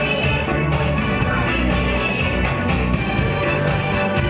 เราเองก็ช่วยเติมให้แน่ใจ